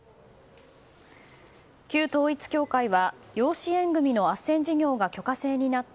旧統一教会は養子縁組のあっせん事業が許可制になった